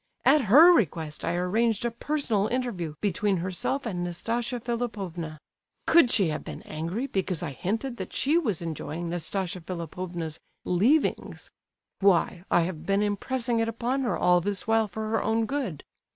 At her request I arranged a personal interview between herself and Nastasia Philipovna. Could she have been angry because I hinted that she was enjoying Nastasia Philipovna's 'leavings'? Why, I have been impressing it upon her all this while for her own good.